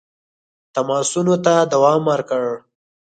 تماسونو ته دوام ورکړ.